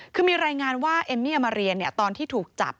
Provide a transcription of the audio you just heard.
คือมีรายงานว่าเอมมี่มาเรียนตอนที่ถูกจับ